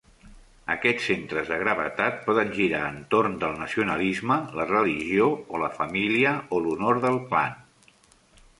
Aquests centres de gravetat poden girar entorn del nacionalisme, la religió o la família, o l'honor del clan.